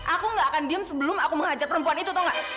aku gak akan diem sebelum aku menghajar perempuan itu atau enggak